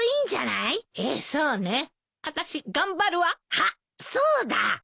あっそうだ！